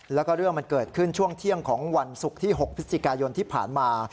แล้วก็เรื่องมันเกิดขึ้นช่วงเที่ยงของวันศุกร์ที่๖พฤศจิกายนที่ผ่านมา